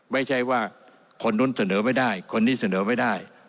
ไม่ใช่ว่าคนนู้นเสนอไม่ได้คนนี้เสนอไม่ได้